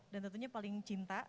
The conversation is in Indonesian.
dan tentunya paling cinta